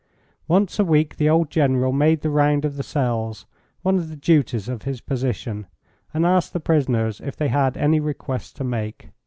Once a week the old General made the round of the cells, one of the duties of his position, and asked the prisoners if they had any requests to make.